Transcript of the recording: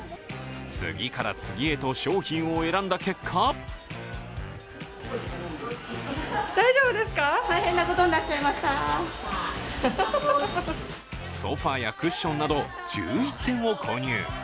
次から次へと商品を選んだ結果ソファーやクッションなど１１点を購入。